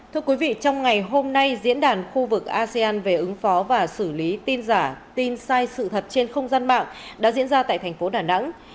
thưa quý vị trong ngày hôm nay diễn đàn khu vực asean về ứng phó và xử lý tin giả tin sai sự thật trên không gian mạng đã diễn ra tại thành phố đà nẵng